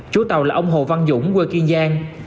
chú tàu là ông hồ văn dũng quê kiên giang